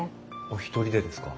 お一人でですか？